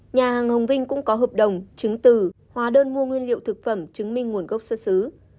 nhà hàng hồng vinh cũng có hợp đồng chứng từ hóa đơn mua nguyên liệu thực phẩm chứng minh nguồn gốc xuất xứ